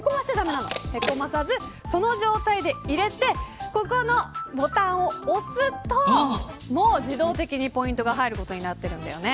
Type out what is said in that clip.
そのままの状態で入れてボタンを押すと自動的にポイントが入ることになるんだよね。